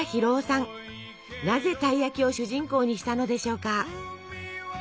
なぜたい焼きを主人公にしたのでしょうか？